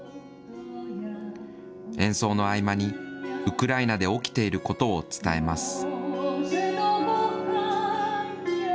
演奏の合間に、ウクライナで起きていることを伝えます。